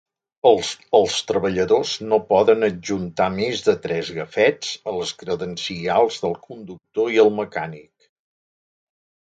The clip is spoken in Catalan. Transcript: El treballadors no poden adjuntar més de tres gafets a les credencials del conductor i el mecànic.